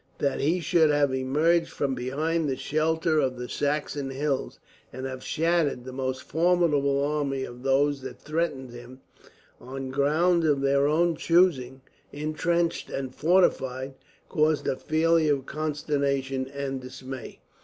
That he should have emerged from behind the shelter of the Saxon hills, and have shattered the most formidable army of those that threatened him, on ground of their own choosing, intrenched and fortified, caused a feeling of consternation and dismay.